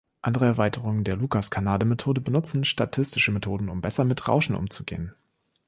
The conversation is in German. Andere Erweiterungen der Lucas-Kanade-Methode benutzen statistische Methoden, um besser mit Rauschen umzugehen.